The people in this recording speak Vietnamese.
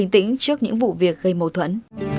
trước những vụ việc gây mâu thuẫn